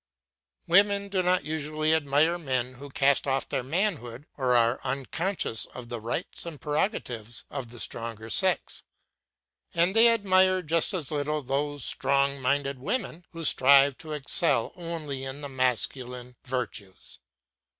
Women do not usually admire men who cast off their manhood or are unconscious of the rights and prerogatives of the stronger sex; and they admire just as little those "strong minded women" who strive to excel only in the masculine virtues.